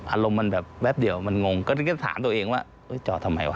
อารมณ์มันแบบแวบเดียวมันงงเค้าถึงจะถามตัวเองว่าจอดทำไมหวะ